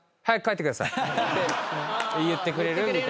て言ってくれるみたいな。